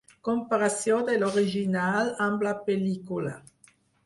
Comparació de l'original amb la pel•lícula.